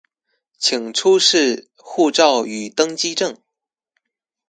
請出示護照與登機證